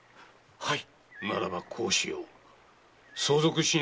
はい。